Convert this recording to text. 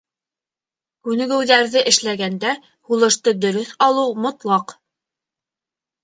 Күнегеүҙәрҙе эшләгәндә һулышты дөрөҫ алыу мотлаҡ!